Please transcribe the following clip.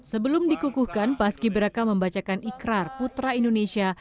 sebelum dikukuhkan pas kibraka membacakan ikrar putra indonesia